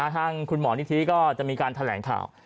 ทางคุณหมอนิธิก็จะมีการแถลงข่าว